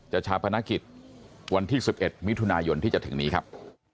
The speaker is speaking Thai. ชาปนกิจวันที่๑๑มิถุนายนที่จะถึงนี้ครับ